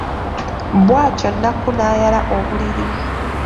Bw'atyo Nakku n'ayala obuliri.